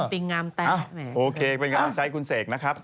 เป็นข้อต้องใช้คุณเสกนะครับ